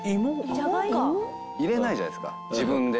入れないじゃないですか自分で。